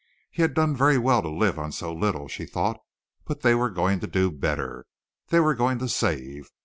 He had done very well to live on so little she thought, but they were going to do better they were going to save.